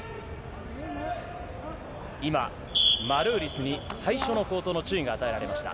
今、マルーリスに最初の口頭の注意が与えられました。